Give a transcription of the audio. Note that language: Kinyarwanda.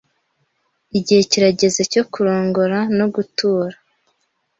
Igihe kirageze cyo kurongora no gutura.